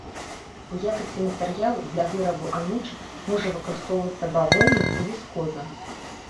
У якасці матэрыялу для вырабу анучы можа выкарыстоўвацца бавоўна ці віскоза.